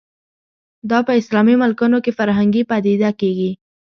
دا په اسلامي ملکونو کې فرهنګي پدیده کېږي